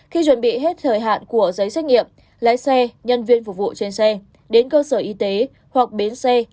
khi chuẩn bị hết thời hạn của giấy xét nghiệm lái xe nhân viên phục vụ trên xe đến cơ sở y tế hoặc bến xe